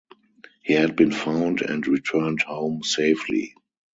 He had been found and returned home safely.